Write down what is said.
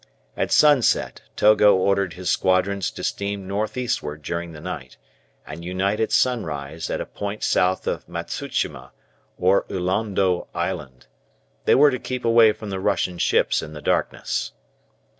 At sunset Togo ordered his squadrons to steam north eastward during the night, and unite at sunrise at a point south of Matsu shima or Ullondo Island. They were to keep away from the Russian ships in the darkness.